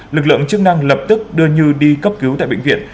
lực lượng chức năng lập tức đưa đi cấp cứu tại bệnh viện